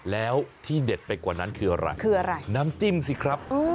แล้วที่เด็ดไปกว่านั้นคืออะไรคืออะไรน้ำจิ้มสิครับ